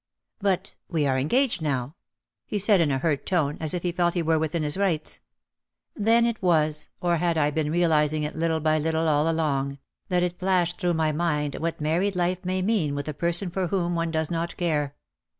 "But, we are engaged now," he said in a hurt tone as if he felt he were within his rights. Then it was, or had I been realising it little by little all along, that it flashed through my mind what married life may mean with a person for whom one does not care.